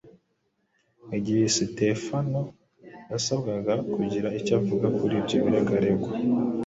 Igihe Sitefano yasabwaga kugira icyo avuga kuri ibyo birego aregwa,